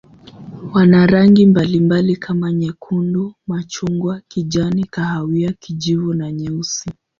Wana rangi mbalimbali kama nyekundu, machungwa, kijani, kahawia, kijivu na nyeusi.